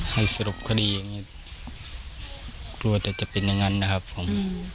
สรุปคดีอย่างนี้กลัวแต่จะเป็นอย่างนั้นนะครับผม